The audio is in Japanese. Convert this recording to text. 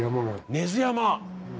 根津山。